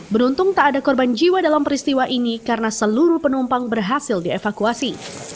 beruntung tak ada korban jiwa dalam peristiwa ini karena seluruh penumpang berhasil dievakuasi